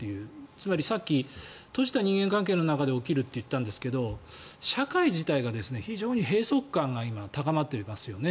つまり、さっき閉じた人間関係の中で起きるって言ったんですけど社会自体が非常に閉塞感が今、高まっていますよね。